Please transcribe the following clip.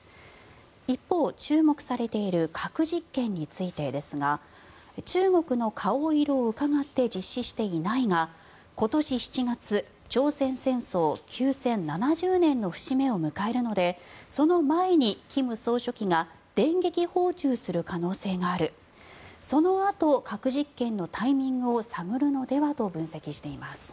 一方、注目されている核実験についてですが中国の顔色をうかがって実施していないが今年７月、朝鮮戦争休戦７０年の節目を迎えるのでその前に金総書記が電撃訪中する可能性があるそのあと核実験のタイミングを探るのではと分析しています。